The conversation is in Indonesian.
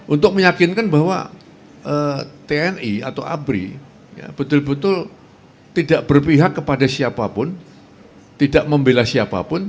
untuk meyakinkan bahwa tni atau abri betul betul tidak berpihak kepada siapapun tidak membela siapapun